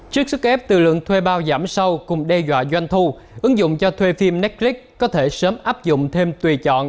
trước sức ép từ lượng thuê bao giảm sâu cùng đe dọa doanh thu ứng dụng cho thuê phim netclick có thể sớm áp dụng thêm tùy chọn